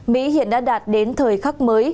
mỹ hiện đã đạt đến thời khắc mới